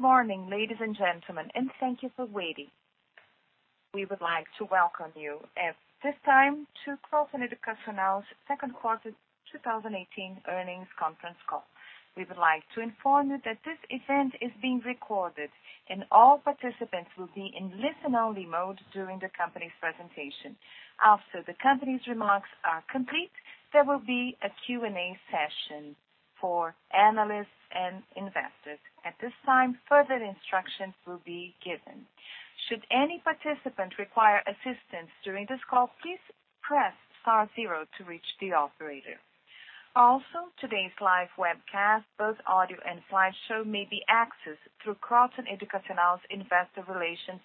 Good morning, ladies and gentlemen. Thank you for waiting. We would like to welcome you at this time to Cogna Educação's second quarter 2018 earnings conference call. We would like to inform you that this event is being recorded, and all participants will be in listen-only mode during the company's presentation. After the company's remarks are complete, there will be a Q&A session for analysts and investors. At this time, further instructions will be given. Should any participant require assistance during this call, please press star zero to reach the operator. Also, today's live webcast, both audio and slideshow, may be accessed through Cogna Educação's investor relations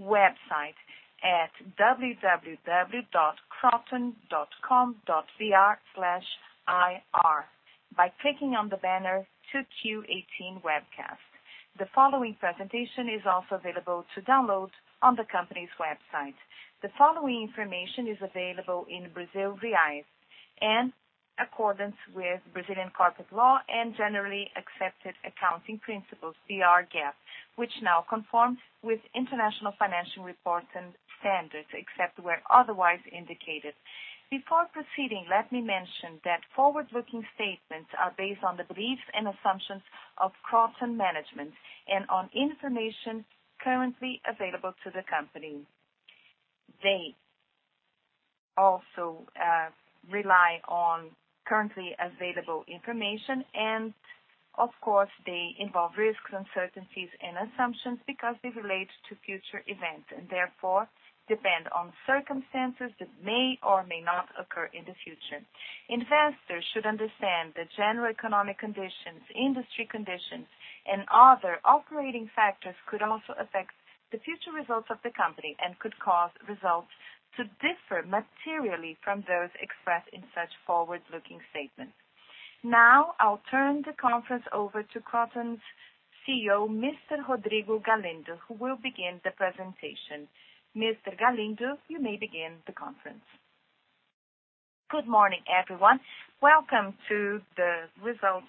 website at www.cogna.com.br/ir by clicking on the banner 2Q18 webcast. The following presentation is also available to download on the company's website. The following information is available in Brazilian reais and accordance with Brazilian corporate law and generally accepted accounting principles, BR GAAP, which now conforms with international financial reports and standards, except where otherwise indicated. Before proceeding, let me mention that forward-looking statements are based on the beliefs and assumptions of Cogna management and on information currently available to the company. They also rely on currently available information, and of course, they involve risks, uncertainties, and assumptions because they relate to future events and therefore depend on circumstances that may or may not occur in the future. Investors should understand that general economic conditions, industry conditions, and other operating factors could also affect the future results of the company and could cause results to differ materially from those expressed in such forward-looking statements. I'll turn the conference over to Cogna's CEO, Mr. Rodrigo Galindo, who will begin the presentation. Mr. Galindo, you may begin the conference. Good morning, everyone. Welcome to the results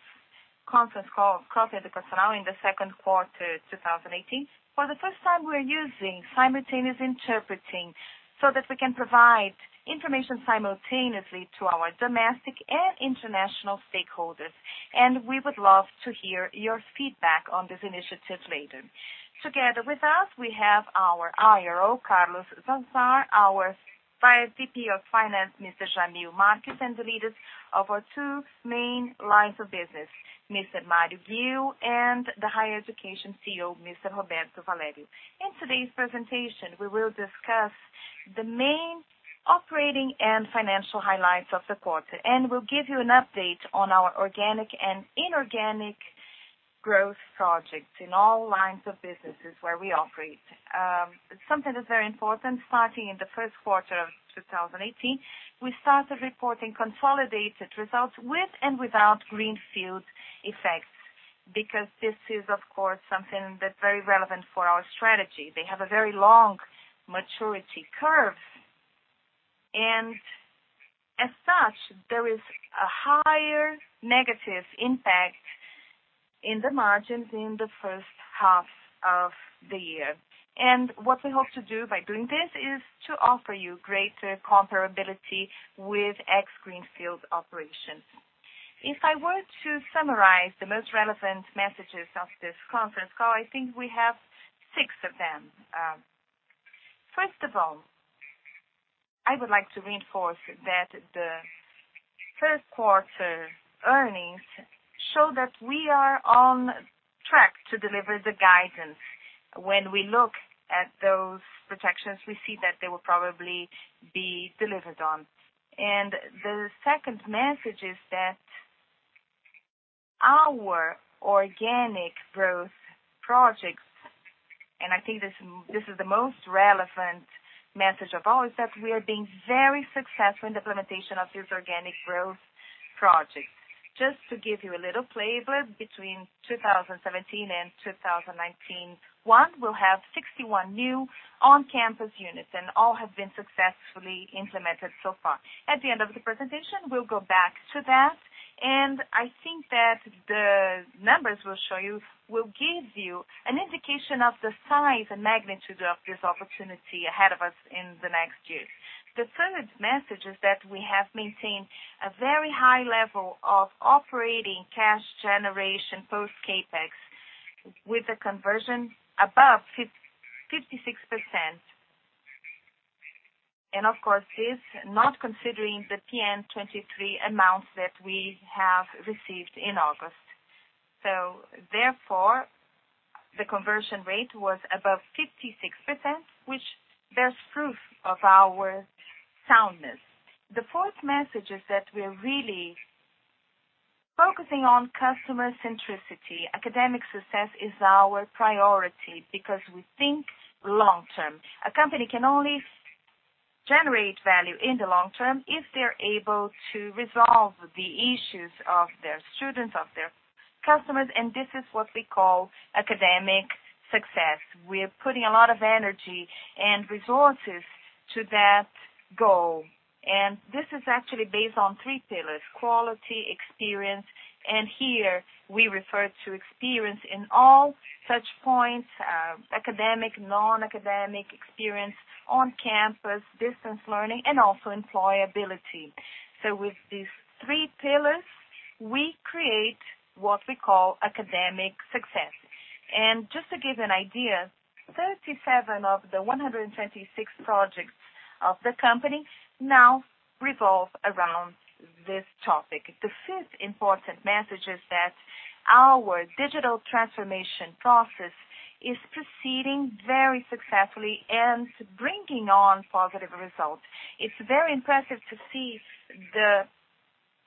conference call, Cogna Educação in the second quarter 2018. For the first time, we're using simultaneous interpreting so that we can provide information simultaneously to our domestic and international stakeholders, and we would love to hear your feedback on this initiative later. Together with us, we have our IRO, Carlos Lazar, our VP of Finance, Mr. Jamil Marques, and the leaders of our two main lines of business, Mr. Mario Ghio, and the higher education CEO, Mr. Roberto Valério. In today's presentation, we will discuss the main operating and financial highlights of the quarter. We'll give you an update on our organic and inorganic growth projects in all lines of businesses where we operate. Something that's very important, starting in the first quarter of 2018, we started reporting consolidated results with and without greenfield effects because this is, of course, something that's very relevant for our strategy. They have a very long maturity curve. As such, there is a higher negative impact in the margins in the first half of the year. What we hope to do by doing this is to offer you greater comparability with ex-greenfield operations. If I were to summarize the most relevant messages of this conference call, I think we have six of them. First of all, I would like to reinforce that the first quarter earnings show that we are on track to deliver the guidance. When we look at those projections, we see that they will probably be delivered on. The second message is that our organic growth projects, I think this is the most relevant message of all is that we are being very successful in the implementation of these organic growth projects. To give you a little flavor, between 2017 and 2019, one will have 61 new on-campus units, all have been successfully implemented so far. At the end of the presentation, we'll go back to that, I think that the numbers will give you an indication of the size and magnitude of this opportunity ahead of us in the next years. The third message is that we have maintained a very high level of operating cash generation post CapEx with a conversion above 56%. Of course, this not considering the PN 23 amounts that we have received in August. Therefore, the conversion rate was above 56%, which bears proof of our soundness. The fourth message is that we are really focusing on customer centricity. Academic success is our priority because we think long-term. A company can only generate value in the long term if they're able to resolve the issues of their students, of their customers, and this is what we call academic success. We are putting a lot of energy and resources to that goal. This is actually based on three pillars: quality, experience, and here we refer to experience in all such points, academic, non-academic experience, on-campus, distance learning, and also employability. With these three pillars, we create what we call academic success. To give you an idea, 37 of the 126 projects of the company now revolve around this topic. The fifth important message is that our digital transformation process is proceeding very successfully and bringing on positive results. It's very impressive to see the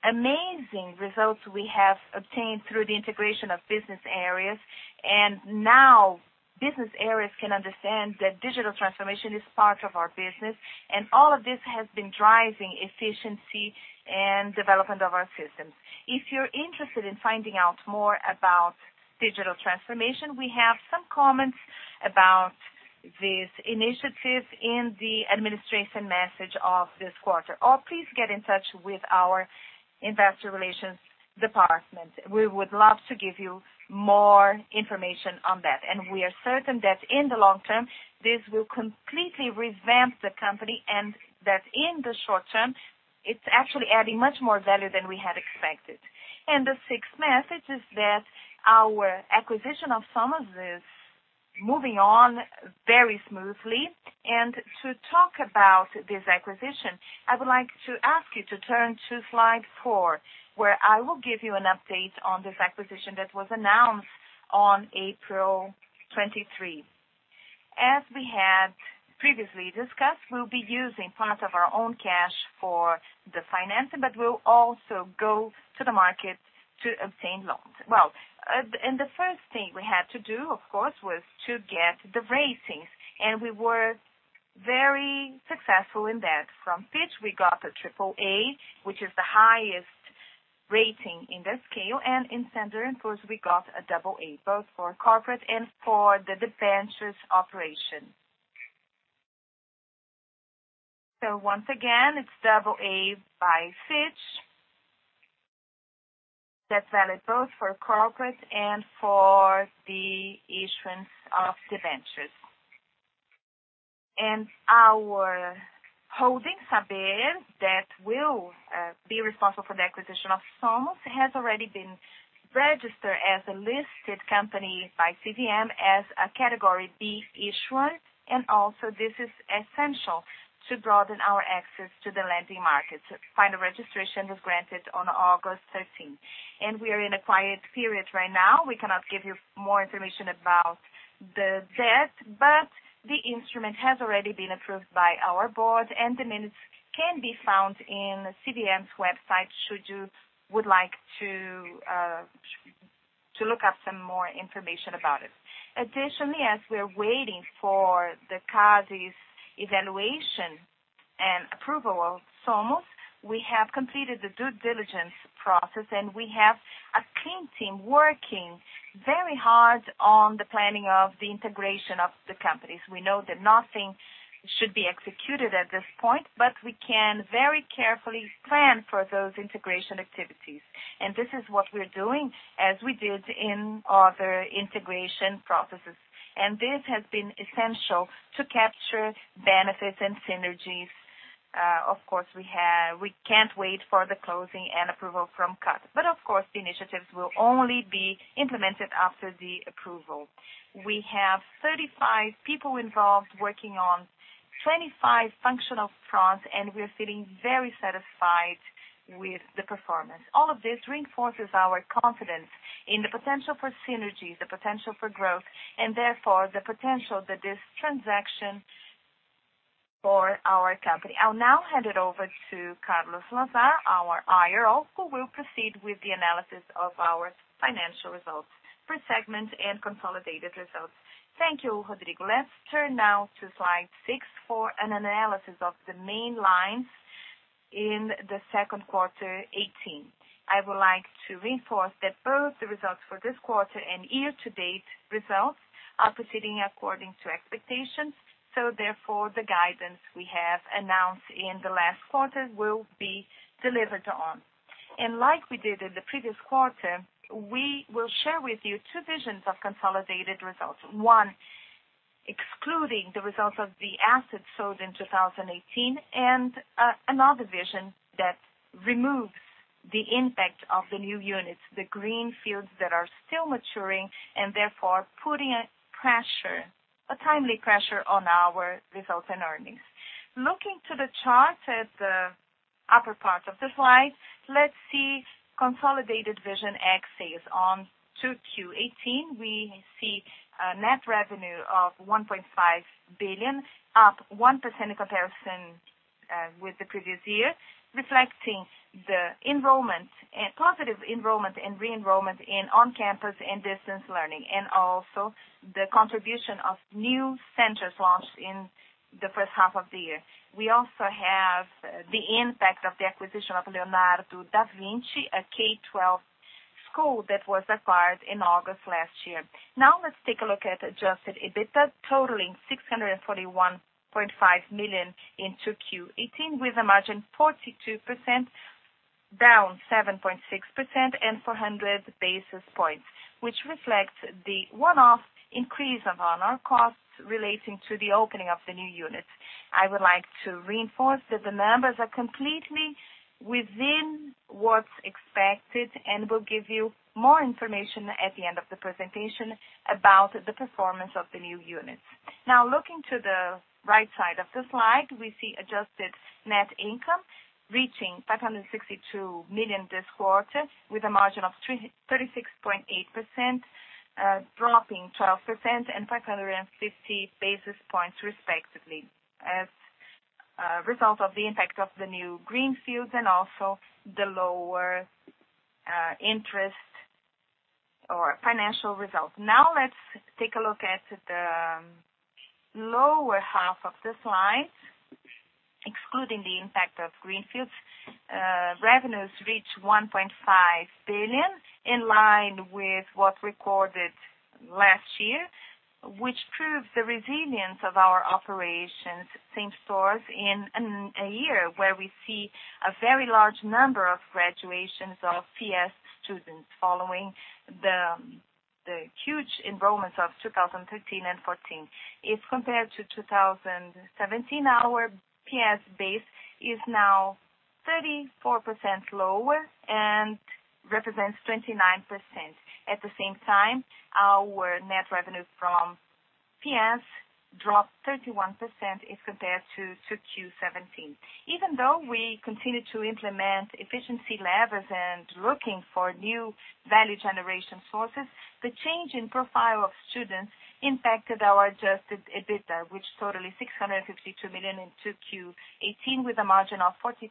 amazing results we have obtained through the integration of business areas. Now business areas can understand that digital transformation is part of our business, all of this has been driving efficiency and development of our systems. If you're interested in finding out more about digital transformation, we have some comments about this initiative in the administration message of this quarter, or please get in touch with our investor relations department. We would love to give you more information on that. We are certain that in the long term, this will completely revamp the company, that in the short term, it's actually adding much more value than we had expected. The sixth message is that our acquisition of Somos is moving on very smoothly. To talk about this acquisition, I would like to ask you to turn to slide four, where I will give you an update on this acquisition that was announced on April 23. As we had previously discussed, we'll be using part of our own cash for the financing, we'll also go to the market to obtain loans. The first thing we had to do, of course, was to get the ratings, we were very successful in that. From Fitch, we got a triple A, which is the highest rating in the scale, and in Standard & Poor's, we got a double A, both for corporate and for the debentures operation. Once again, it's double A by Fitch. That's valid both for corporate and for the issuance of debentures. Our holding, Saber, that will be responsible for the acquisition of Somos, has already been registered as a listed company by CVM as a category B issuer. This is essential to broaden our access to the lending market. Final registration was granted on August 13. We are in a quiet period right now. We cannot give you more information about the debt, but the instrument has already been approved by our board, and the minutes can be found on CVM's website, should you would like to look up some more information about it. Additionally, as we are waiting for the CADE's evaluation and approval of Somos, we have completed the due diligence process, and we have a clean team working very hard on the planning of the integration of the companies. We know that nothing should be executed at this point, but we can very carefully plan for those integration activities. This is what we're doing as we did in other integration processes. This has been essential to capture benefits and synergies. Of course, we can't wait for the closing and approval from CADE. But of course, the initiatives will only be implemented after the approval. We have 35 people involved, working on 25 functional fronts, and we are feeling very satisfied with the performance. All of this reinforces our confidence in the potential for synergies, the potential for growth, and therefore the potential that this transaction for our company. I'll now hand it over to Carlos Lazar, our IR officer, who will proceed with the analysis of our financial results per segment and consolidated results. Thank you, Rodrigo. Let's turn now to slide six for an analysis of the main lines in the second quarter 2018. I would like to reinforce that both the results for this quarter and year-to-date results are proceeding according to expectations. Therefore, the guidance we have announced in the last quarter will be delivered on. Like we did in the previous quarter, we will share with you two visions of consolidated results. One, excluding the results of the assets sold in 2018, and another vision that removes the impact of the new units, the green fields that are still maturing, and therefore putting a pressure, a timely pressure on our results and earnings. Looking to the chart at the upper part of the slide, let's see consolidated vision X sales on 2Q 2018. We see a net revenue of 1.5 billion, up 1% in comparison with the previous year, reflecting the positive enrollment and re-enrollment in on-campus and distance learning, and also the contribution of new centers launched in the first half of the year. We also have the impact of the acquisition of Centro Educacional Leonardo da Vinci, a K-12 school that was acquired in August last year. Now let's take a look at adjusted EBITDA, totaling 641.5 million in 2Q 2018, with a margin 42%, down 7.6% and 400 basis points, which reflects the one-off increase of [honorários] relating to the opening of the new units. I would like to reinforce that the numbers are completely within what's expected, and we'll give you more information at the end of the presentation about the performance of the new units. Looking to the right side of the slide, we see adjusted net income reaching 562 million this quarter with a margin of 36.8%, dropping 12% and 550 basis points respectively, as a result of the impact of the new greenfields and also the lower interest or financial results. Let's take a look at the lower half of the slide. Excluding the impact of greenfields, revenues reached 1.5 billion, in line with what recorded last year, which proves the resilience of our operations same store in a year where we see a very large number of graduations of PS students following the huge enrollments of 2013 and 2014. If compared to 2017, our PS base is now 34% lower and represents 29%. At the same time, our net revenue from PS dropped 31% if compared to Q17. Even though we continue to implement efficiency levers and looking for new value generation sources, the change in profile of students impacted our adjusted EBITDA, which totaling 662 million in 2Q18 with a margin of 43%,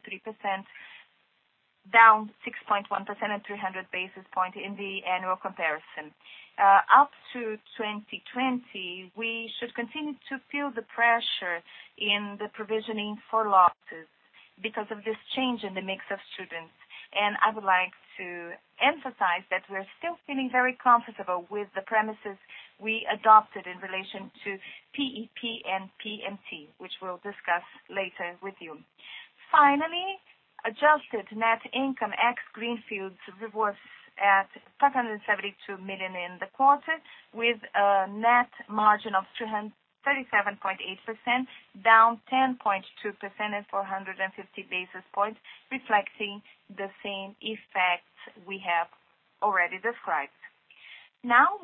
down 6.1% and 300 basis points in the annual comparison. Up to 2020, we should continue to feel the pressure in the provisioning for losses because of this change in the mix of students. I would like to emphasize that we're still feeling very comfortable with the premises we adopted in relation to PEP and PMT, which we'll discuss later with you. Finally, adjusted net income ex greenfields was at 572 million in the quarter with a net margin of 37.8%, down 10.2% at 450 basis points, reflecting the same effect we have already described.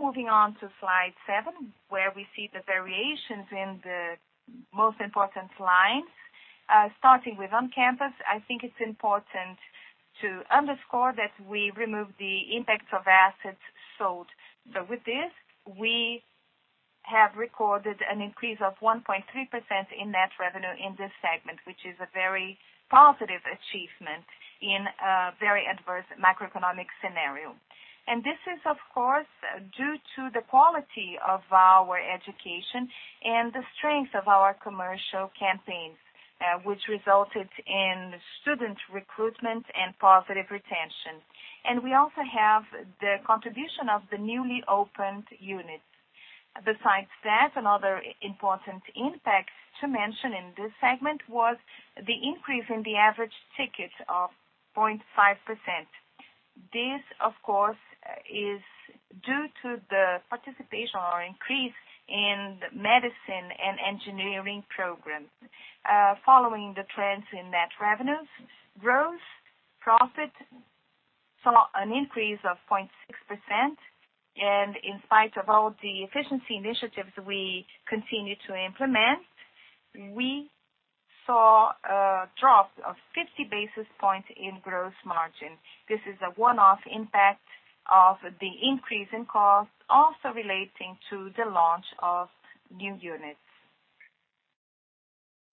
Moving on to slide seven, where we see the variations in the most important lines. Starting with on-campus, I think it's important to underscore that we removed the impact of assets sold. With this, we have recorded an increase of 1.3% in net revenue in this segment, which is a very positive achievement in a very adverse macroeconomic scenario. This is, of course, due to the quality of our education and the strength of our commercial campaigns, which resulted in student recruitment and positive retention. We also have the contribution of the newly opened units. Besides that, another important impact to mention in this segment was the increase in the average ticket of 0.5%. This, of course, is due to the participation or increase in the medicine and engineering program. Following the trends in net revenues, gross profit saw an increase of 0.6%, and in spite of all the efficiency initiatives we continue to implement, we saw a drop of 50 basis points in gross margin. This is a one-off impact of the increase in cost, also relating to the launch of new units.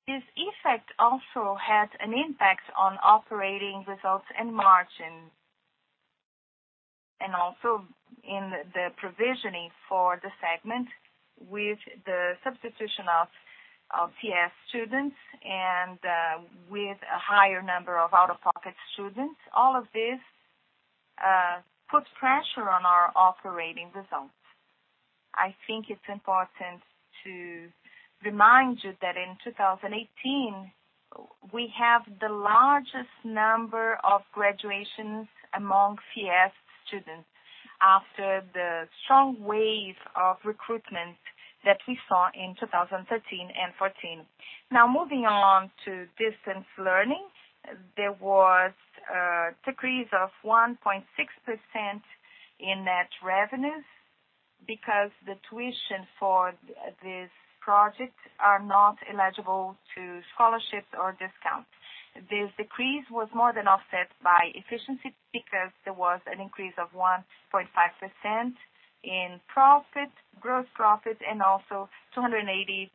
This effect also had an impact on operating results and margin. Also in the provisioning for the segment with the substitution of PS students and with a higher number of out-of-pocket students. All of this put pressure on our operating results. I think it's important to remind you that in 2018, we have the largest number of graduations among PS students after the strong wave of recruitment that we saw in 2013 and 2014. Moving along to distance learning. There was a decrease of 1.6% in net revenues because the tuition for this project are not eligible to scholarships or discount. This decrease was more than offset by efficiency because there was an increase of 1.5% in gross profit, also 280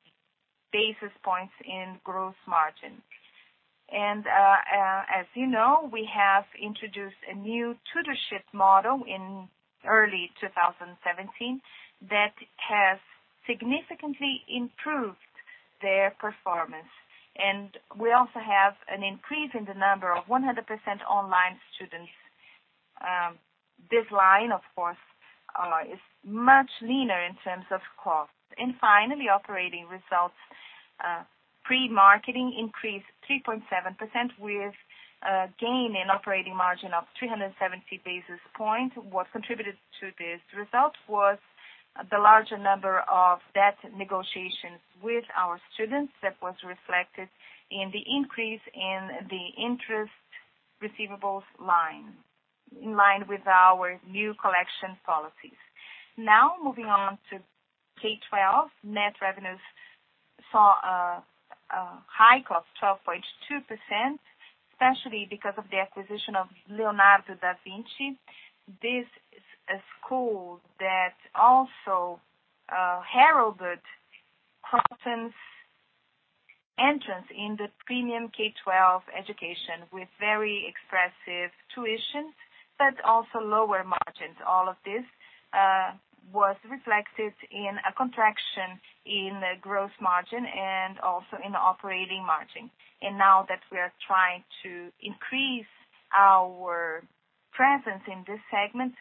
basis points in gross margin. As you know, we have introduced a new tutorship model in early 2017 that has significantly improved their performance. We also have an increase in the number of 100% online students. This line, of course, is much leaner in terms of cost. Finally, operating results. Pre-marketing increased 3.7% with a gain in operating margin of 370 basis points. What contributed to this result was the larger number of debt negotiations with our students. That was reflected in the increase in the interest receivables line. In line with our new collection policies. Now moving on to K12. Net revenues saw a hike of 12.2%, especially because of the acquisition of Leonardo da Vinci. This is a school that also heralded Kroton's entrance in the premium K12 education with very expressive tuition, but also lower margins. All of this was reflected in a contraction in the gross margin and also in operating margin. Now that we are trying to increase our presence in this segment,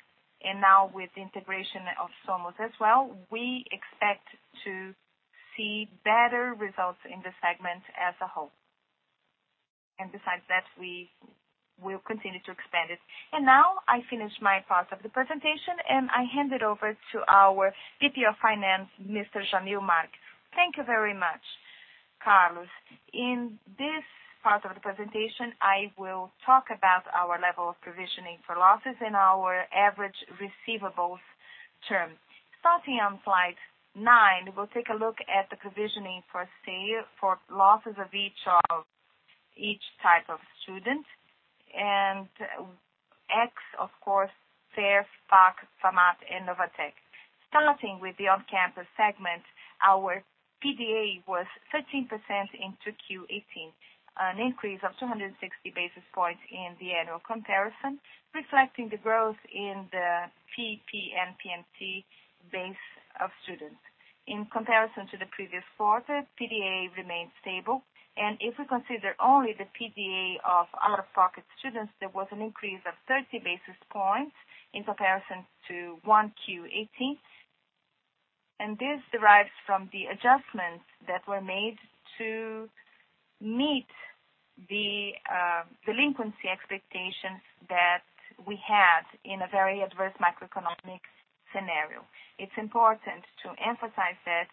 with the integration of Somos as well, we expect to see better results in this segment as a whole. Besides that, we will continue to expand it. Now I finish my part of the presentation, I hand it over to our VP of finance, Mr. Jamil Marques. Thank you very much, Carlos. In this part of the presentation, I will talk about our level of provisioning for losses and our average receivables term. Starting on slide nine, we'll take a look at the provisioning for losses of each type of student. X, of course, FAIR, PAC, FAMAT, and Novatec. Starting with the on-campus segment, our PDA was 13% into Q18, an increase of 260 basis points in the annual comparison, reflecting the growth in the PEP and PMT base of students. In comparison to the previous quarter, PDA remained stable. If we consider only the PDA of out-of-pocket students, there was an increase of 30 basis points in comparison to one Q18. This derives from the adjustments that were made to meet the delinquency expectations that we had in a very adverse macroeconomic scenario. It's important to emphasize that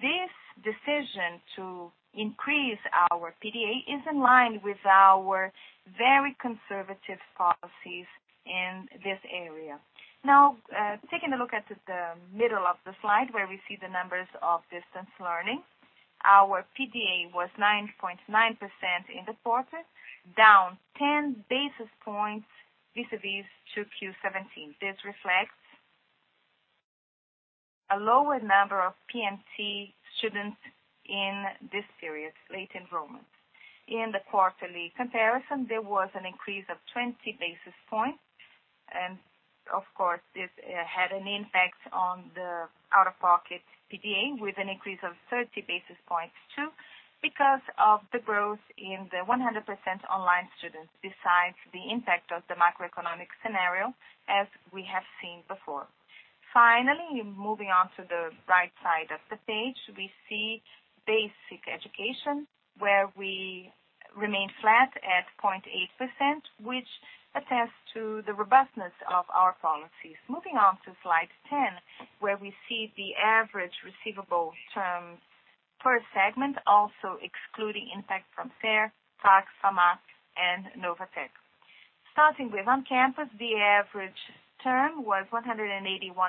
this decision to increase our PDA is in line with our very conservative policies in this area. Now, taking a look at the middle of the slide, where we see the numbers of distance learning. Our PDA was 9.9% in the quarter, down 10 basis points vis-a-vis to Q17. This reflects a lower number of PMT students in this period, late enrollment. In the quarterly comparison, there was an increase of 20 basis points. Of course, this had an impact on the out-of-pocket PDA with an increase of 30 basis points too. Because of the growth in the 100% online students, besides the impact of the macroeconomic scenario as we have seen before. Finally, moving on to the right side of the page, we see basic education, where we remain flat at 0.8%, which attests to the robustness of our policies. Moving on to slide 10, where we see the average receivable terms per segment, also excluding impact from FAIR, PAC, FAMAT, and Novatec. Starting with on-campus, the average term was 181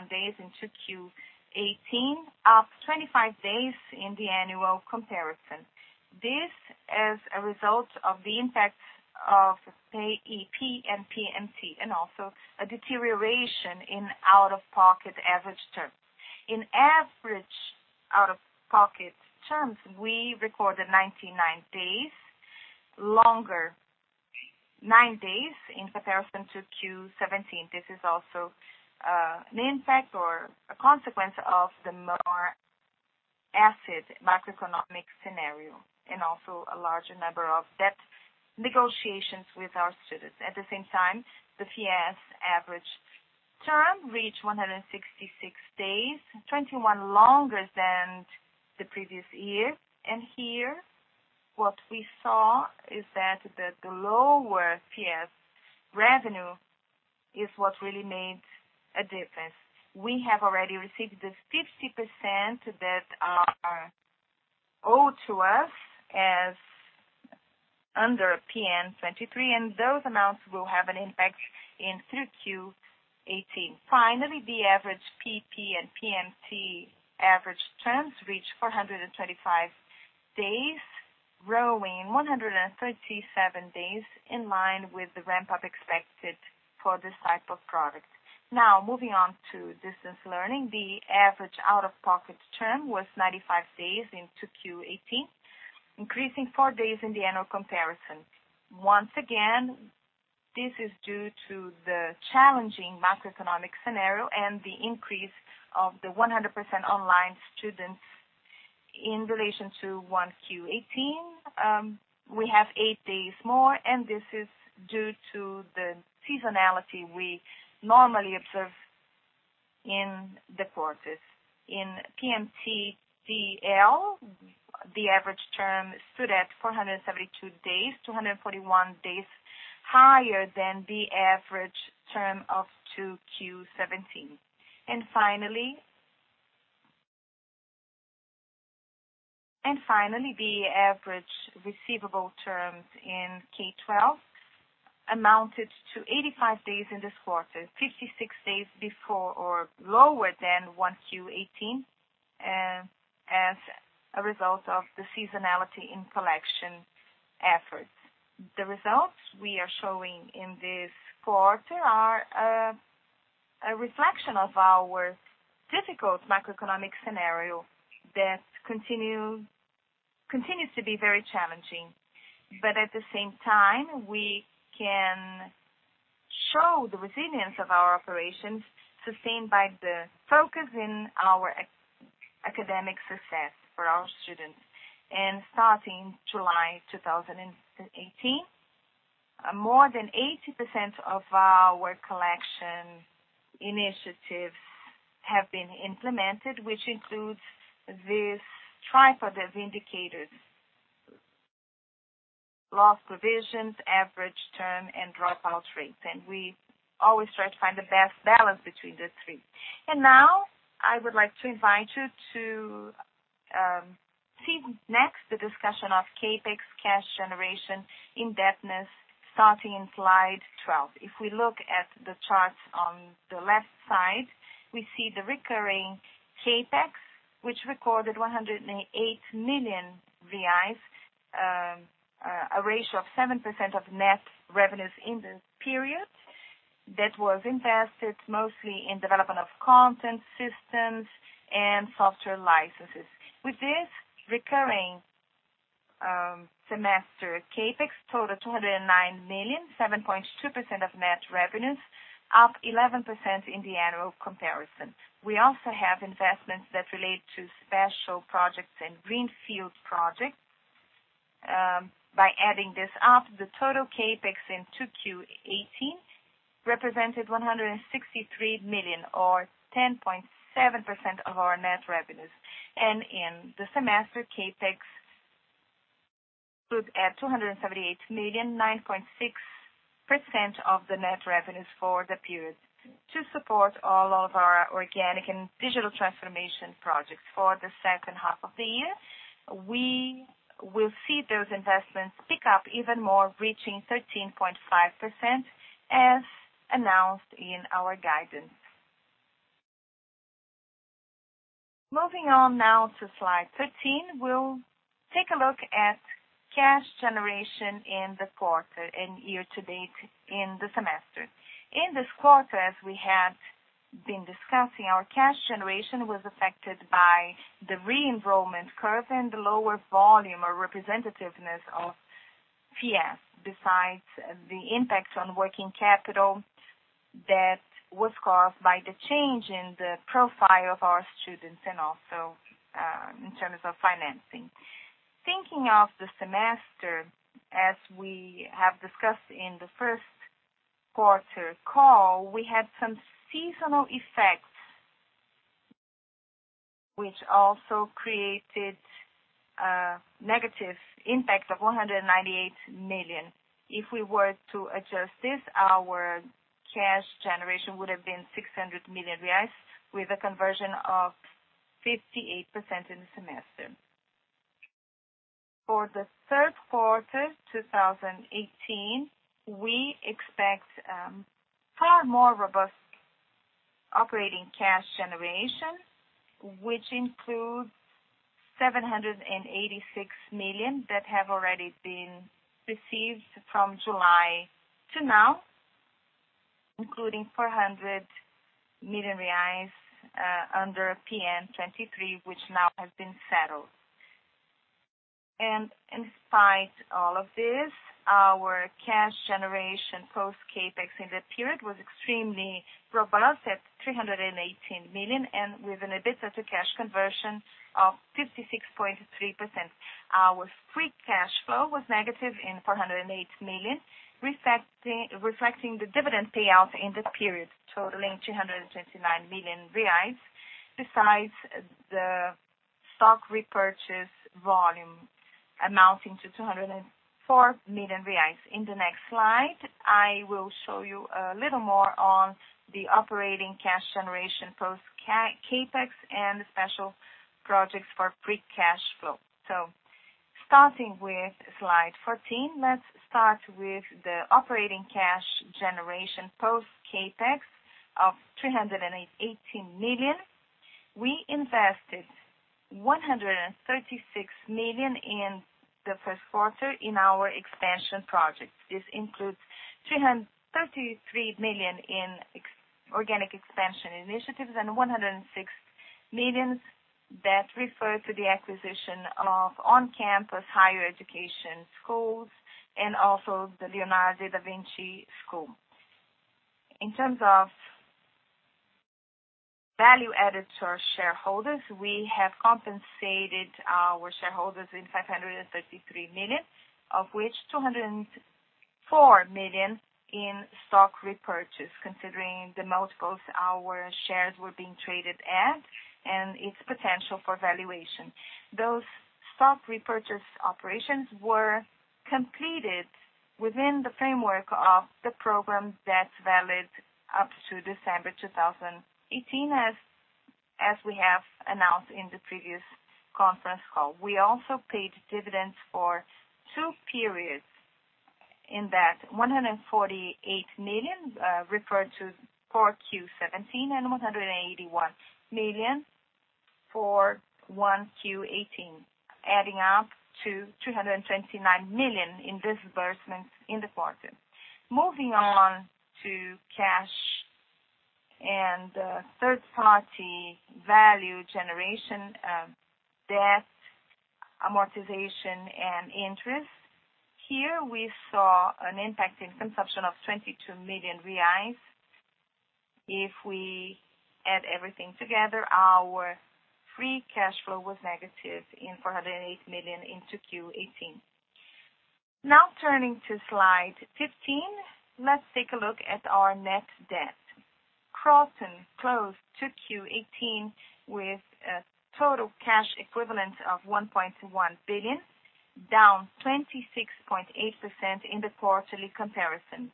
days into Q18, up 25 days in the annual comparison. This as a result of the impact of PEP and PMT, and also a deterioration in out-of-pocket average term. In average out-of-pocket terms, we recorded 99 days, longer nine days in comparison to Q17. This is also an impact or a consequence of the more acid macroeconomic scenario and also a larger number of debt negotiations with our students. The FIES average term reached 166 days, 21 longer than the previous year. Here, what we saw is that the lower FIES revenue is what really made a difference. We have already received the 50% that are owed to us as under PN 23, those amounts will have an impact in through Q18. Finally, the average PEP and PMT average terms reached 425 days, growing 137 days in line with the ramp-up expected for this type of product. Moving on to distance learning. The average out-of-pocket term was 95 days into Q18, increasing four days in the annual comparison. This is due to the challenging macroeconomic scenario and the increase of the 100% online students in relation to 1Q18. We have eight days more, this is due to the seasonality we normally observe in the quarters. In PMTDL, the average term stood at 472 days, 241 days higher than the average term of 2Q17. Finally, the average receivable terms in K12 amounted to 85 days in this quarter, 56 days before or lower than 1Q18, as a result of the seasonality in collection efforts. The results we are showing in this quarter are a reflection of our difficult macroeconomic scenario that continues to be very challenging. At the same time, we can show the resilience of our operations, sustained by the focus in our academic success for our students. Starting July 2018, more than 80% of our collection initiatives have been implemented, which includes this tripod of indicators, loss provisions, average term, and dropout rates. We always try to find the best balance between the three. Now, I would like to invite you to see next the discussion of CapEx cash generation indebtedness starting in slide 12. If we look at the charts on the left side, we see the recurring CapEx, which recorded 108 million, a ratio of 7% of net revenues in the period that was invested mostly in development of content systems and software licenses. With this recurring semester, CapEx totaled 209 million, 7.2% of net revenues, up 11% in the annual comparison. We also have investments that relate to special projects and greenfield projects. By adding this up, the total CapEx in 2Q18 represented 163 million, or 10.7% of our net revenues. In the semester, CapEx stood at 278 million, 9.6% of the net revenues for the period. To support all of our organic and digital transformation projects for the second half of the year, we will see those investments pick up even more, reaching 13.5%, as announced in our guidance. Moving on to slide 13. We'll take a look at cash generation in the quarter and year to date in the semester. In this quarter, as we have been discussing, our cash generation was affected by the re-enrollment curve and the lower volume or representativeness of PS, besides the impact on working capital that was caused by the change in the profile of our students and also in terms of financing. Thinking of the semester, as we have discussed in the first quarter call, we had some seasonal effects, which also created a negative impact of 198 million. If we were to adjust this, our cash generation would have been 600 million reais with a conversion of 58% in the semester. For the third quarter 2018, we expect far more robust operating cash generation, which includes 786 million that have already been received from July to now, including 400 million reais under PN 23, which now has been settled. In spite of all of this, our cash generation post CapEx in the period was extremely robust at 318 million and with an EBITDA to cash conversion of 56.3%. Our free cash flow was negative in 408 million, reflecting the dividend payout in the period totaling 229 million reais. Besides the stock repurchase volume amounting to 204 million reais. In the next slide, I will show you a little more on the operating cash generation post CapEx and the special projects for free cash flow. Starting with slide 14, let's start with the operating cash generation post CapEx of 318 million. We invested 136 million in the first quarter in our expansion projects. This includes 333 million in organic expansion initiatives and 106 million that refer to the acquisition of on-campus higher education schools, and also the Leonardo da Vinci school. In terms of value added to our shareholders, we have compensated our shareholders in 533 million, of which 204 million in stock repurchase, considering the multiples our shares were being traded at and its potential for valuation. Those stock repurchase operations were completed within the framework of the program that is valid up to December 2018, as we have announced in the previous conference call. We also paid dividends for two periods, in that 148 million referred to 4Q17 and 181 million for 1Q18, adding up to 329 million in disbursements in the quarter. Moving on to cash and third-party value generation, debt amortization, and interest. Here we saw an impact in consumption of 22 million reais. If we add everything together, our free cash flow was negative in 408 million in 2Q18. Turning to slide 15, let's take a look at our net debt. Kroton closed 2Q18 with a total cash equivalent of 1.1 billion, down 26.8% in the quarterly comparison.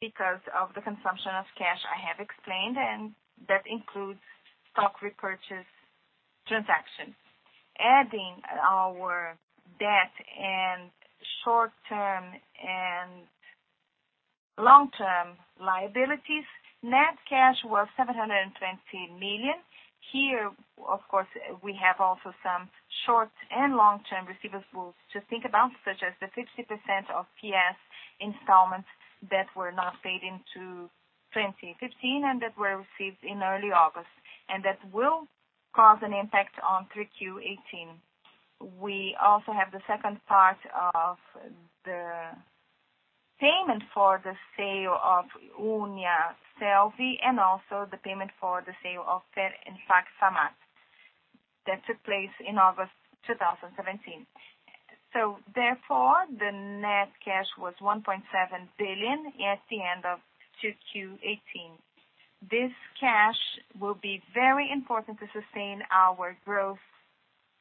Because of the consumption of cash I have explained, and that includes stock repurchase transactions. Adding our debt and short-term and long-term liabilities, net cash was 720 million. Here, of course, we have also some short- and long-term receivables to think about, such as the 50% of PS installments that were not paid in 2015 and that were received in early August, and that will cause an impact on 3Q18. We also have the second part of the payment for the sale of Uniasselvi and also the payment for the sale of FAC/FAMAT. That took place in August 2017. Therefore, the net cash was 1.7 billion at the end of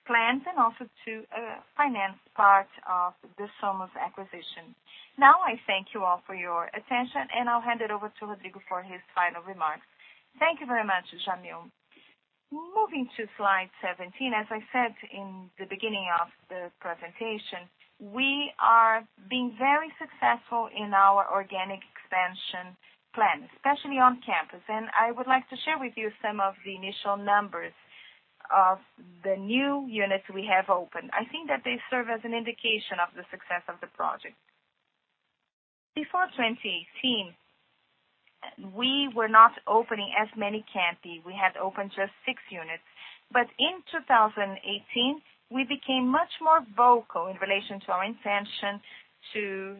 2Q18. I thank you all for your attention, and I'll hand it over to Rodrigo for his final remarks. Thank you very much, Jamil. Moving to slide 17. As I said in the beginning of the presentation, we are being very successful in our organic expansion plan, especially on campus. I would like to share with you some of the initial numbers of the new units we have opened. I think that they serve as an indication of the success of the project. Before 2018, we were not opening as many campi. We had opened just six units. In 2018, we became much more vocal in relation to our intention to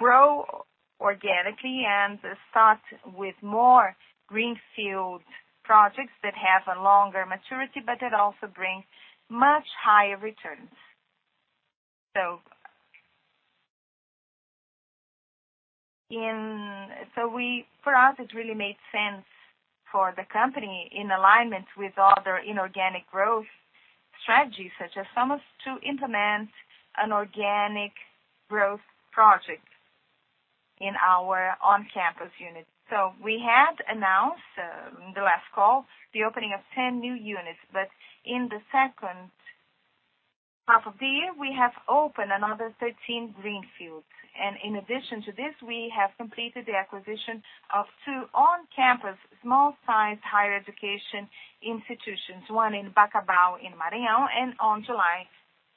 grow organically and start with more greenfield projects that have a longer maturity, that also bring much higher returns. For us, it really made sense for the company in alignment with other inorganic growth strategies, such as Somos, to implement an organic growth project in our on-campus units. We had announced, in the last call, the opening of 10 new units. In the second half of the year, we have opened another 13 greenfields. In addition to this, we have completed the acquisition of two on-campus small-sized higher education institutions, one in Bacabal, in Maranhão. On July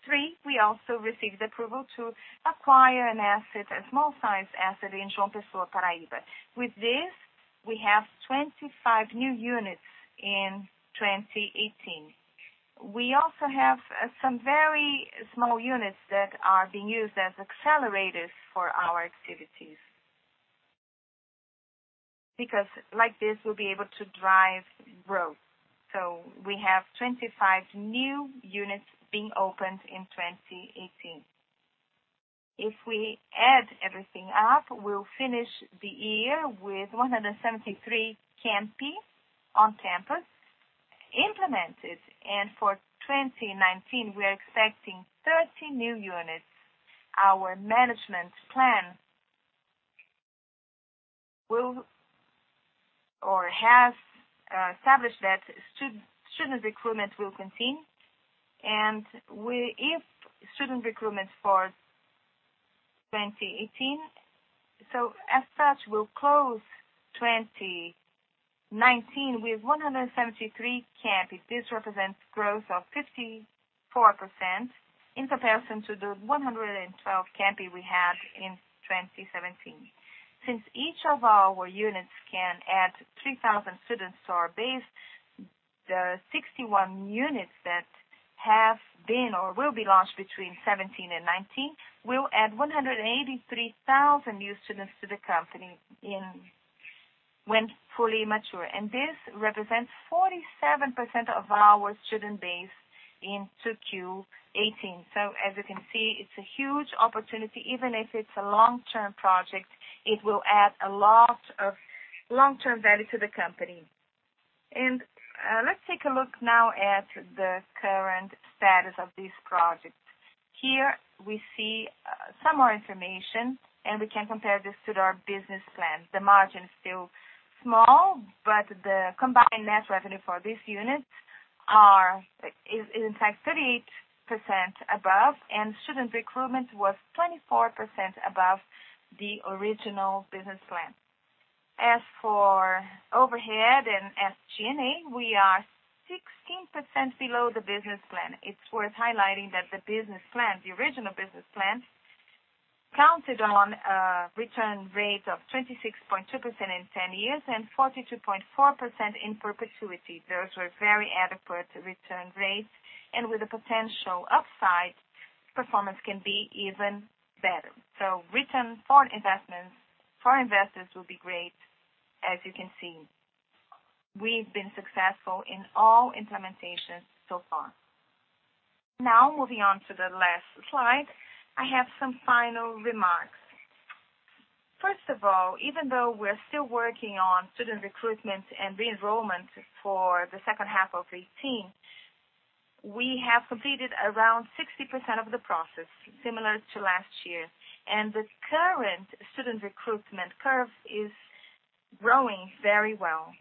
3, we also received approval to acquire an asset, a small-sized asset in João Pessoa, Paraíba. With this, we have 25 new units in 2018. We also have some very small units that are being used as accelerators for our activities. Like this, we'll be able to drive growth. We have 25 new units being opened in 2018. If we add everything up, we'll finish the year with 173 campi on campus implemented. For 2019, we are expecting 30 new units. Our management plan will or has established that student recruitment will continue. If student recruitment for 2018. As such, we'll close 2019 with 173 campi. This represents growth of 54% in comparison to the 112 campi we had in 2017. Since each of our units can add 3,000 students to our base, the 61 units that have been or will be launched between 2017 and 2019 will add 183,000 new students to the company when fully mature. This represents 47% of our student base into Q18. As you can see, it's a huge opportunity. Even if it's a long-term project, it will add a lot of long-term value to the company. Let's take a look now at the current status of this project. Here we see some more information, we can compare this to our business plan. The margin is still small, the combined net revenue for these units is in fact 38% above, student recruitment was 24% above the original business plan. As for overhead and SG&A, we are 16% below the business plan. It's worth highlighting that the business plan, the original business plan, counted on a return rate of 26.2% in 10 years and 42.4% in perpetuity. Those were very adequate return rates, and with a potential upside, performance can be even better. Return for investors will be great, as you can see. We've been successful in all implementations so far. Moving on to the last slide, I have some final remarks. Even though we're still working on student recruitment and re-enrollment for the second half of 2018, we have completed around 60% of the process, similar to last year. The current student recruitment curve is growing very well.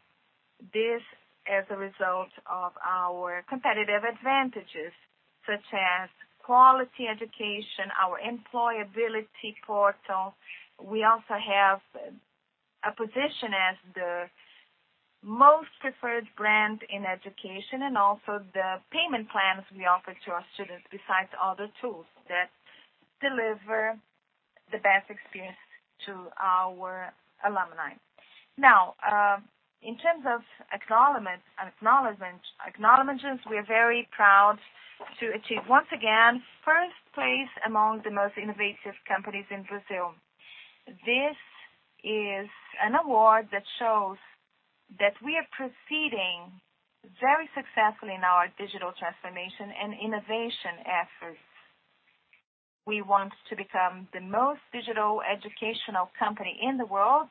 This is a result of our competitive advantages, such as quality education, our employability portal. We also have a position as the most preferred brand in education and also the payment plans we offer to our students, besides other tools that deliver the best experience to our alumni. In terms of acknowledgments, we are very proud to achieve, once again, first place among the most innovative companies in Brazil. This is an award that shows that we are proceeding very successfully in our digital transformation and innovation efforts. We want to become the most digital educational company in the world.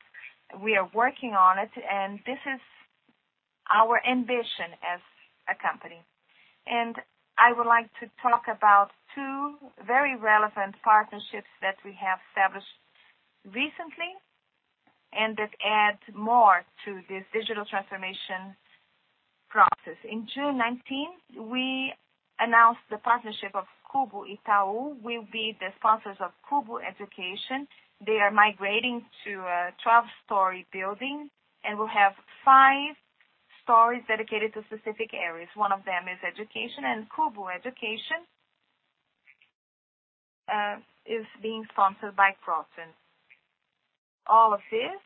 We are working on it, and this is our ambition as a company. I would like to talk about two very relevant partnerships that we have established recently and that add more to this digital transformation process. In June 2019, we announced the partnership of Cubo Itaú. We'll be the sponsors of Cubo Education. They are migrating to a 12-story building and will have five stories dedicated to specific areas. One of them is education, and Cubo Education is being sponsored by Kroton. All of this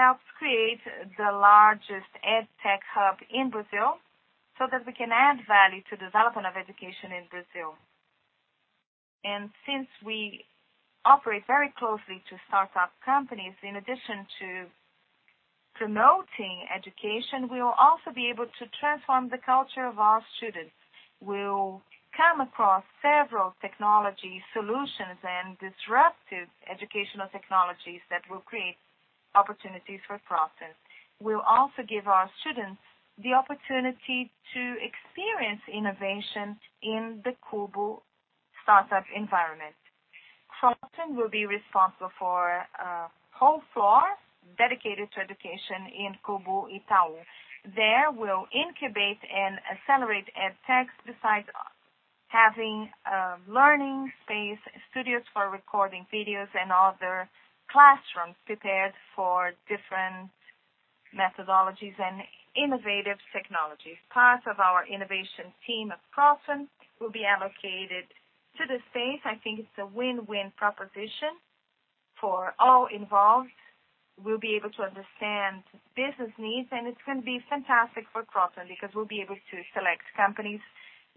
helps create the largest EdTech hub in Brazil so that we can add value to development of education in Brazil. Since we operate very closely to startup companies, in addition to promoting education, we will also be able to transform the culture of our students. We'll come across several technology solutions and disruptive educational technologies that will create opportunities for Kroton. We'll also give our students the opportunity to experience innovation in the Cubo startup environment. Kroton will be responsible for a whole floor dedicated to education in Cubo Itaú. There, we'll incubate and accelerate EdTech, besides having a learning space, studios for recording videos, and other classrooms prepared for different methodologies and innovative technologies. Part of our innovation team at Kroton will be allocated to the space. I think it's a win-win proposition for all involved. We'll be able to understand business needs, and it's going to be fantastic for Kroton because we'll be able to select companies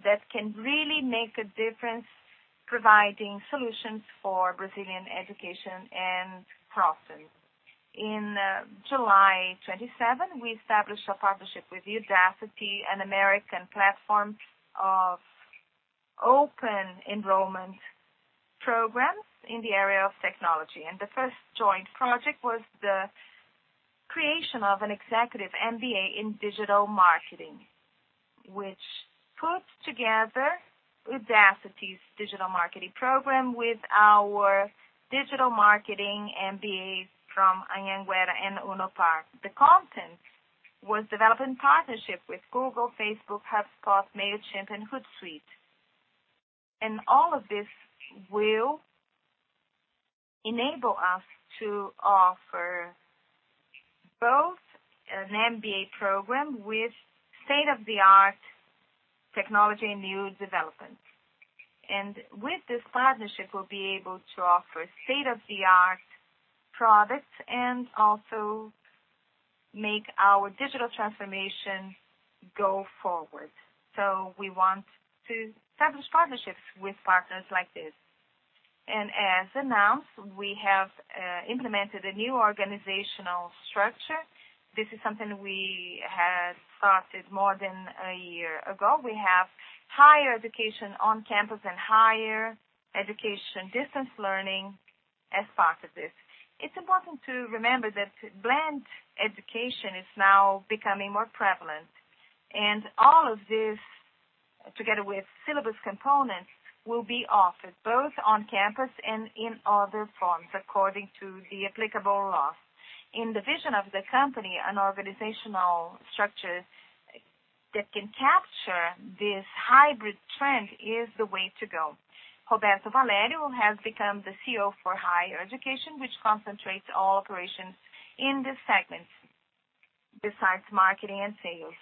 that can really make a difference providing solutions for Brazilian education and Kroton. In July 27, we established a partnership with Udacity, an American platform of open enrollment programs in the area of technology. The first joint project was the creation of an executive MBA in digital marketing, which puts together Udacity's digital marketing program with our digital marketing MBAs from Anhanguera and Unopar. The content was developed in partnership with Google, Facebook, HubSpot, Mailchimp, and Hootsuite. All of this will enable us to offer both an MBA program with state-of-the-art technology and new developments. With this partnership, we'll be able to offer state-of-the-art products and also make our digital transformation go forward. We want to establish partnerships with partners like this. As announced, we have implemented a new organizational structure. This is something we had started more than a year ago. We have higher education on campus and higher education distance learning as part of this. It's important to remember that blend education is now becoming more prevalent, and all of this, together with syllabus components, will be offered both on campus and in other forms, according to the applicable law. In the vision of the company and organizational structures that can capture this hybrid trend is the way to go. Roberto Valério has become the CEO for higher education, which concentrates all operations in this segment, besides marketing and sales.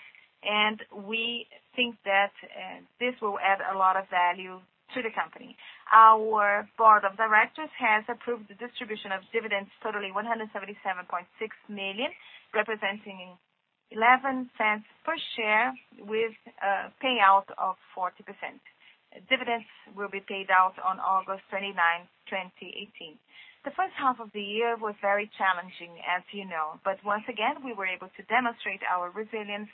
We think that this will add a lot of value to the company. Our board of directors has approved the distribution of dividends totaling 177.6 million, representing 0.11 per share with a payout of 40%. Dividends will be paid out on August 29, 2018. The first half of the year was very challenging, as you know. Once again, we were able to demonstrate our resilience,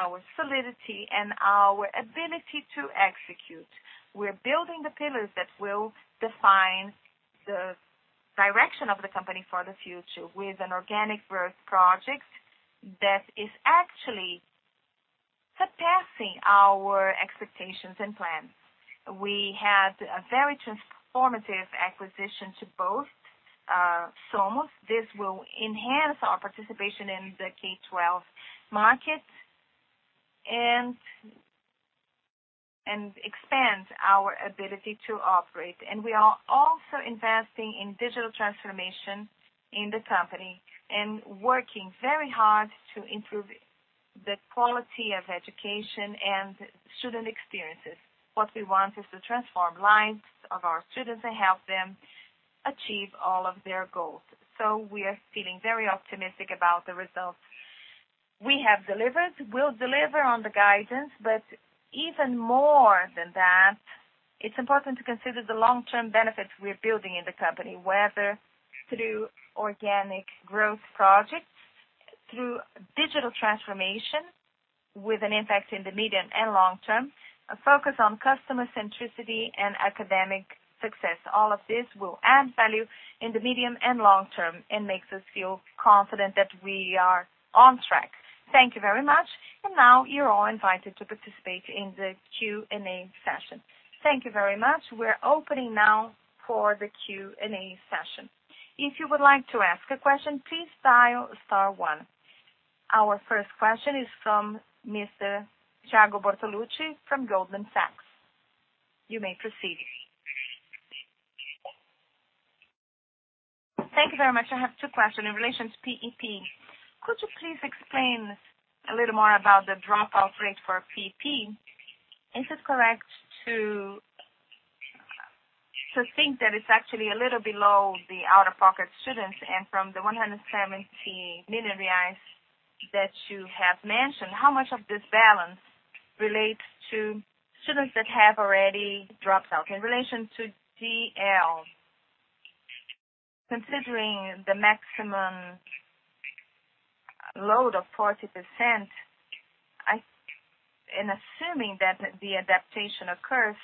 our solidity, and our ability to execute. We're building the pillars that will define the direction of the company for the future with an organic growth project that is actually surpassing our expectations and plans. We had a very transformative acquisition to both Somos. This will enhance our participation in the K-12 market and expand our ability to operate. We are also investing in digital transformation in the company and working very hard to improve the quality of education and student experiences. What we want is to transform lives of our students and help them achieve all of their goals. We are feeling very optimistic about the results. We have delivered, we'll deliver on the guidance, but even more than that, it's important to consider the long-term benefits we're building in the company, whether through organic growth projects, through digital transformation with an impact in the medium and long term, a focus on customer centricity and academic success. All of this will add value in the medium and long term and makes us feel confident that we are on track. Thank you very much. Now you're all invited to participate in the Q&A session. Thank you very much. We're opening now for the Q&A session. If you would like to ask a question, please dial star one. Our first question is from Mr. Thiago Bortolucci from Goldman Sachs. You may proceed. Thank you very much. I have two questions. In relation to PEP, could you please explain a little more about the dropout rate for PEP? Is it correct to think that it's actually a little below the out-of-pocket students? From the 170 million reais that you have mentioned, how much of this balance relates to students that have already dropped out? In relation to DL, considering the maximum load of 40%, assuming that the adaptation occurs,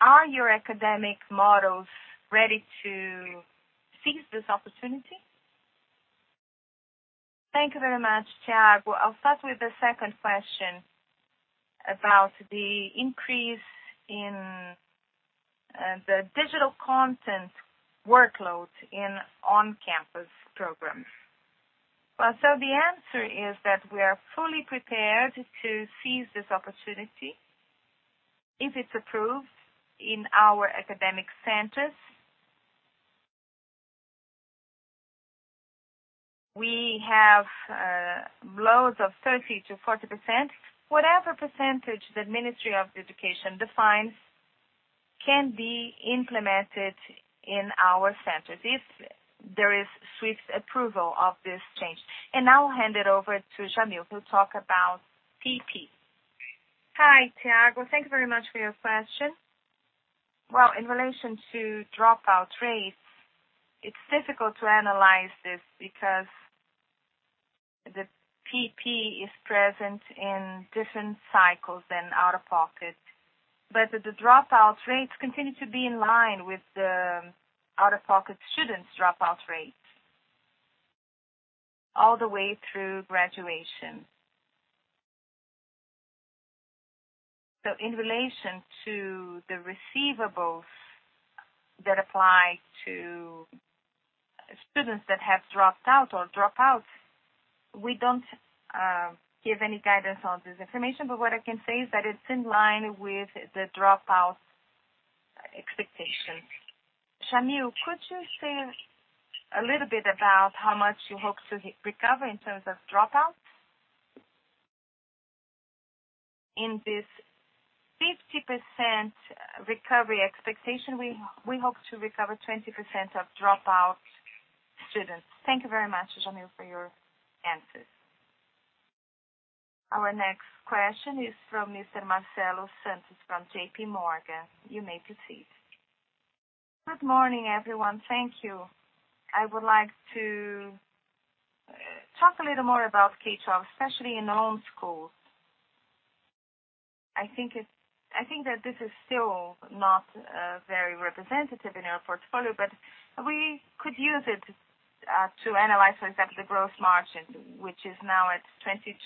are your academic models ready to seize this opportunity? Thank you very much, Thiago. I'll start with the second question about the increase in the digital content workload in on-campus programs. Well, the answer is that we are fully prepared to seize this opportunity if it's approved in our academic centers. We have loads of 30% to 40%. Whatever percentage the Ministry of Education defines can be implemented in our centers if there is swift approval of this change. Now I'll hand it over to Jamil, who'll talk about PEP. Hi, Thiago. Thank you very much for your question. In relation to dropout rates, it's difficult to analyze this because the PEP is present in different cycles than out-of-pocket. The dropout rates continue to be in line with the out-of-pocket students' dropout rates all the way through graduation. In relation to the receivables that apply to students that have dropped out or drop out, we don't give any guidance on this information. What I can say is that it's in line with the dropout expectations. Jamil, could you say a little bit about how much you hope to recover in terms of dropouts? In this 50% recovery expectation, we hope to recover 20% of dropout students. Thank you very much, Jamil, for your answers. Our next question is from Mr. Marcelo Santos from JP Morgan. You may proceed. Good morning, everyone. Thank you. I would like to talk a little more about K-12, especially in owned schools. I think that this is still not very representative in our portfolio, we could use it to analyze, for example, the growth margin, which is now at 22%,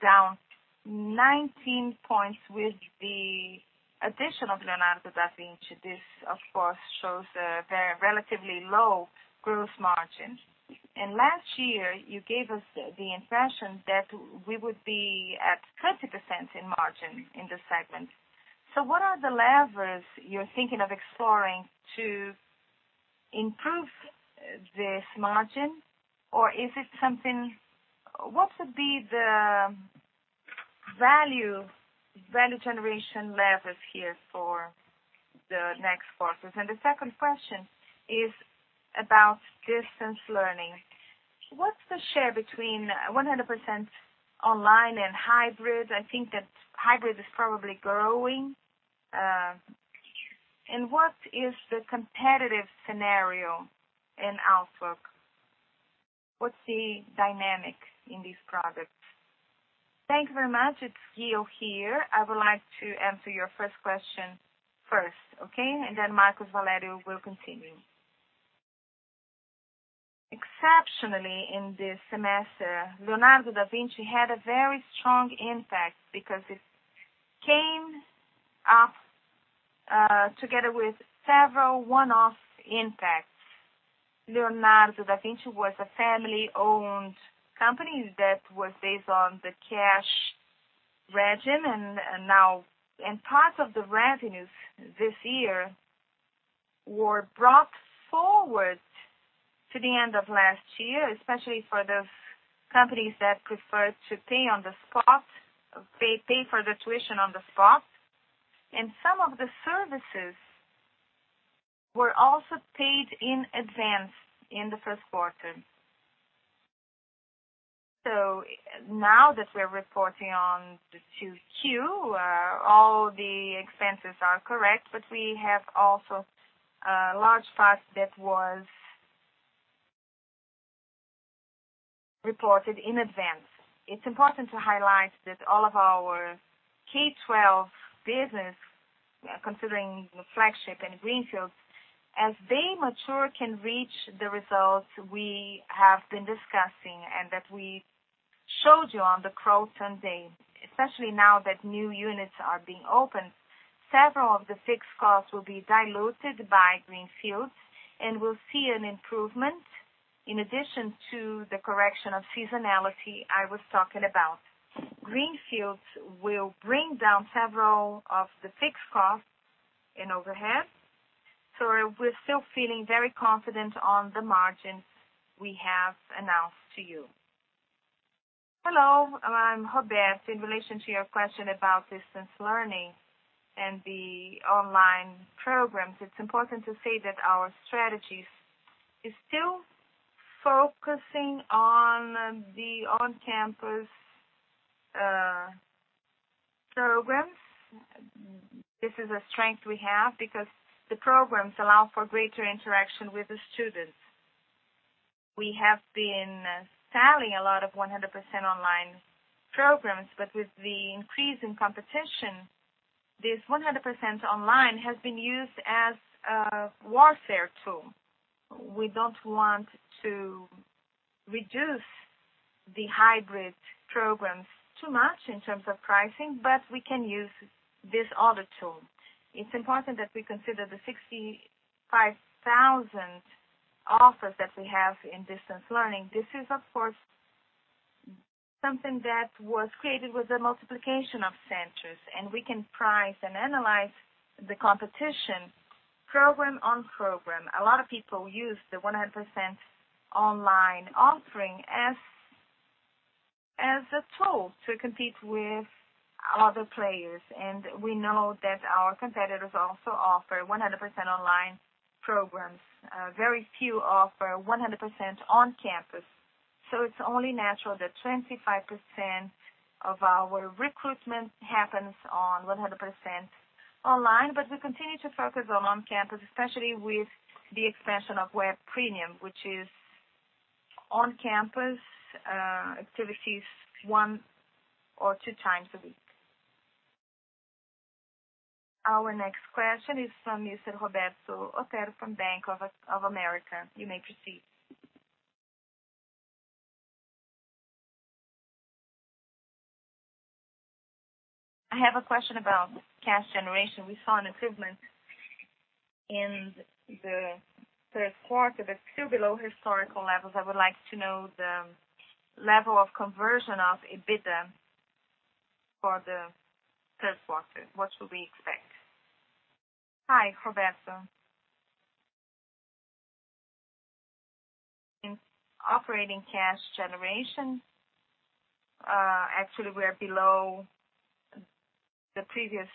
down 19 points with the addition of Leonardo da Vinci. This, of course, shows a very relatively low growth margin. Last year, you gave us the impression that we would be at 30% in margin in this segment. What are the levers you're thinking of exploring to improve this margin? What would be the value generation levers here for the next quarters? The second question is about distance learning. What's the share between 100% online and hybrid? I think that hybrid is probably growing. What is the competitive scenario and outlook? What's the dynamic in these products? Thank you very much. It's Ghio here. I would like to answer your first question first, okay? Roberto Valério will continue. Exceptionally, in this semester, Leonardo da Vinci had a very strong impact because it came up together with several one-off impacts. Leonardo da Vinci was a family-owned company that was based on the cash regime. Part of the revenues this year were brought forward to the end of last year, especially for the companies that preferred to pay for the tuition on the spot. Some of the services were also paid in advance in the first quarter. Now that we're reporting on the 2Q, all the expenses are correct, we have also a large part that was reported in advance. It's important to highlight that all of our K-12 business, considering flagship and greenfields, as they mature, can reach the results we have been discussing and that we showed you on the Kroton Day. Especially now that new units are being opened, several of the fixed costs will be diluted by greenfields, we'll see an improvement in addition to the correction of seasonality I was talking about. Greenfields will bring down several of the fixed costs and overhead. We're still feeling very confident on the margins we have announced to you. Hello, I'm Roberto. In relation to your question about distance learning and the online programs, it's important to say that our strategy is still focusing on the on-campus programs. This is a strength we have because the programs allow for greater interaction with the students. We have been selling a lot of 100% online programs, with the increase in competition, this 100% online has been used as a warfare tool. We don't want to reduce the hybrid programs too much in terms of pricing, but we can use this other tool. It's important that we consider the 65,000 offers that we have in distance learning. This is, of course, something that was created with the multiplication of centers, and we can price and analyze the competition program on program. A lot of people use the 100% online offering as a tool to compete with other players. We know that our competitors also offer 100% online programs. Very few offer 100% on campus. It's only natural that 25% of our recruitment happens on 100% online. We continue to focus on on-campus, especially with the expansion of Web Premium, which is on-campus activities one or two times a week. Our next question is from Mr. Roberto Otero from Bank of America. You may proceed. I have a question about cash generation. We saw an improvement in the first quarter, but still below historical levels. I would like to know the level of conversion of EBITDA for the third quarter, what should we expect? Hi, Roberto. In operating cash generation, actually we are below the previous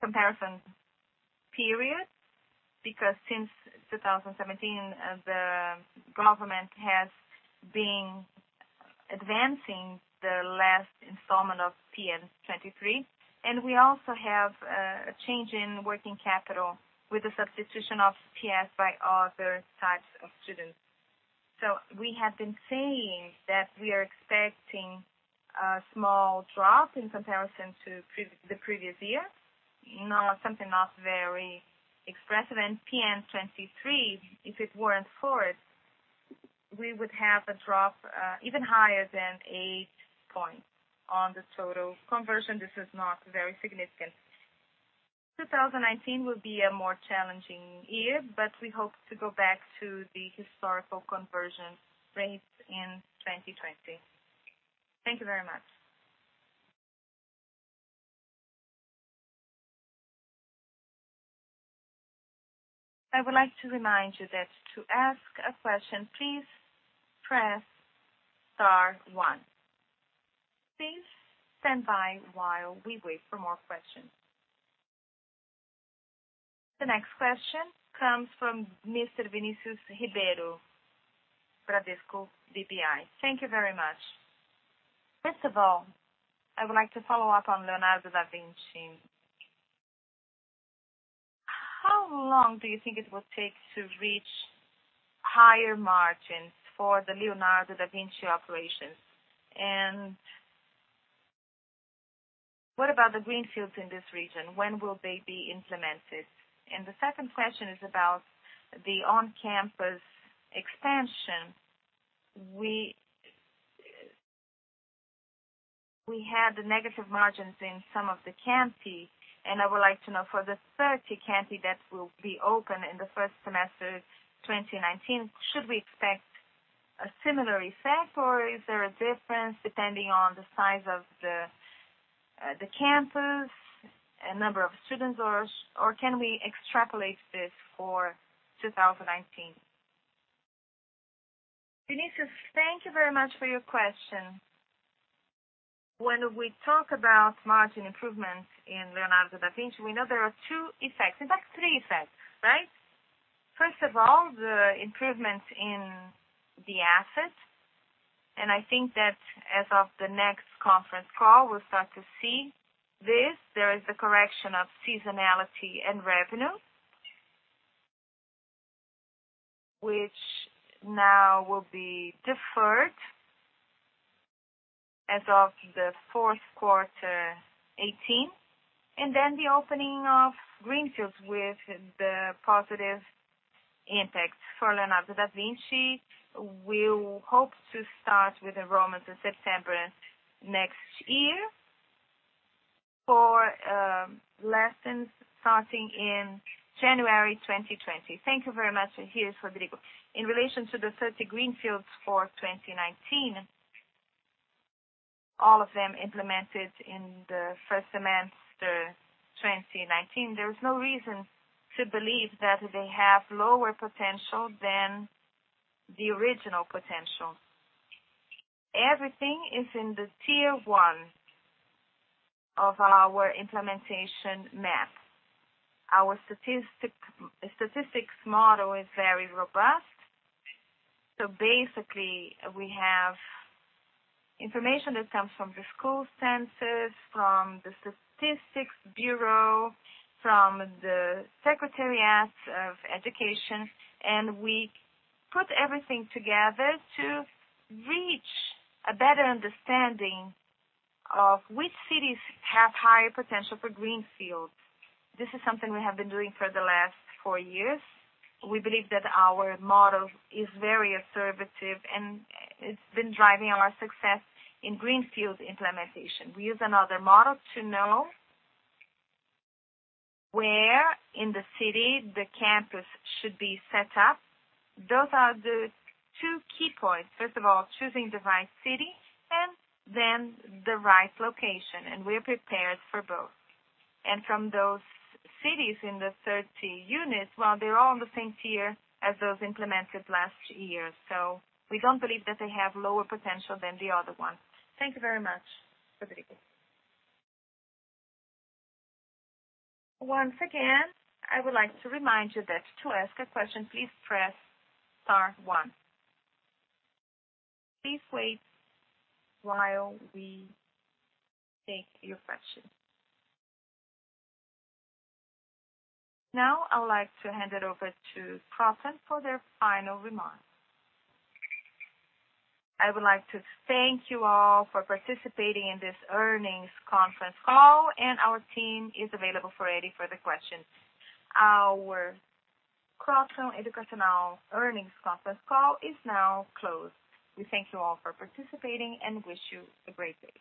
comparison period because since 2017, the government has been advancing the last installment of PN 23, and we also have a change in working capital with the substitution of PEP by other types of students. We have been saying that we are expecting a small drop in comparison to the previous year. Something not very expressive. PN 23, if it weren't for it, we would have a drop even higher than eight points on the total conversion. This is not very significant. 2019 will be a more challenging year, but we hope to go back to the historical conversion rates in 2020. Thank you very much. I would like to remind you that to ask a question, please press star one. Please stand by while we wait for more questions. The next question comes from Mr. Vinicius Ribeiro, Bradesco BBI. Thank you very much. First of all, I would like to follow up on Leonardo da Vinci. How long do you think it will take to reach higher margins for the Leonardo da Vinci operations? What about the greenfields in this region? When will they be implemented? The second question is about the on-campus expansion. We had negative margins in some of the campi, I would like to know for the 30 campi that will be open in the first semester 2019, should we expect a similar effect, is there a difference depending on the size of the campus and number of students, can we extrapolate this for 2019? Vinicius, thank you very much for your question. When we talk about margin improvements in Leonardo da Vinci, we know there are two effects. In fact, three effects, right? First of all, the improvements in the assets, I think that as of the next conference call, we'll start to see this. There is a correction of seasonality and revenue, which now will be deferred as of the fourth quarter 2018, then the opening of greenfields with the positive impact. For Leonardo da Vinci, we hope to start with enrollment in September next year for lessons starting in January 2020. Thank you very much. Here's Rodrigo. In relation to the 30 greenfields for 2019, all of them implemented in the first semester 2019. There is no reason to believe that they have lower potential than the original potential. Everything is in the tier 1 of our implementation map. Our statistics model is very robust. Basically, we have information that comes from the school census, from the statistics bureau, from the Secretariat of Education, and we put everything together to reach a better understanding of which cities have higher potential for greenfields. This is something we have been doing for the last four years. We believe that our model is very assertive, and it's been driving a lot of success in greenfields implementation. We use another model to know where in the city the campus should be set up. Those are the two key points. First of all, choosing the right city and then the right location, and we are prepared for both. From those cities in the 30 units, well, they're all in the same tier as those implemented last year. We do not believe that they have lower potential than the other ones. Thank you very much, Rodrigo. Once again, I would like to remind you that to ask a question, please press star one. Please wait while we take your question. I would like to hand it over to Kroton for their final remarks. I would like to thank you all for participating in this earnings conference call, and our team is available for any further questions. Our Kroton Educacional earnings conference call is now closed. We thank you all for participating and wish you a great day.